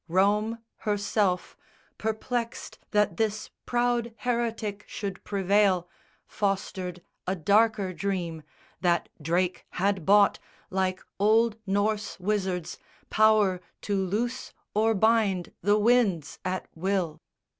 Rome herself, Perplexed that this proud heretic should prevail, Fostered a darker dream, that Drake had bought, Like old Norse wizards, power to loose or bind The winds at will.